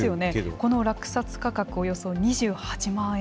この落札価格、およそ２８万円。